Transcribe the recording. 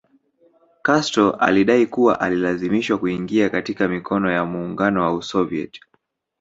Castro alidai kuwa alilazimishwa kuingia katika mikono ya muungao wa Usovieti